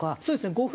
そうですね。